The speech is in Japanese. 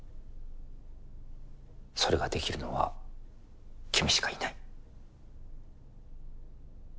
それができるのは君しかいない。